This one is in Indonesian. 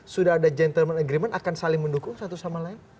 sudah ada gentleman agreement akan saling mendukung satu sama lain